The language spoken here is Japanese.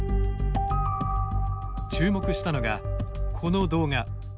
注目したのがこの動画。